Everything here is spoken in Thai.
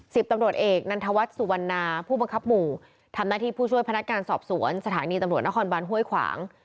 สิบตำรวจเอกนันทวัฒน์สุวรรณาผู้บังคับหมู่ทำหน้าที่ผู้ช่วยพนักการสอบสวนสถานีตำรวจนครบันห้วยขวาง